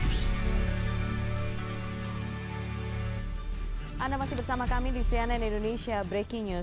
tetap bersama kami di cnn indonesia breaking news